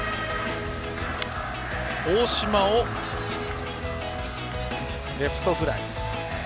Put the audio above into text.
大島をレフトフライ。